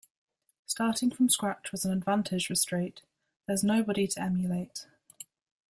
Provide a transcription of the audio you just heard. Starting from scratch was an advantage for Strait: There's nobody to emulate.